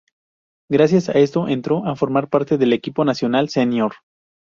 Gracias a esto entró a formar parte del equipo nacional "senior".